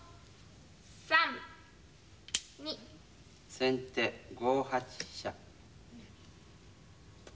先手５八飛車。